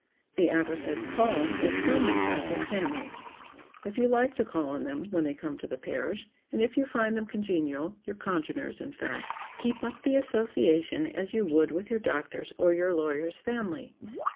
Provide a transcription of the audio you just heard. The aforesaid "call" makes no mention of his family. If you like to call on them when they come to the parish, and if you find them congenial—your congeners, in fact—keep up the association as you would with your doctor's, or your lawyer's family.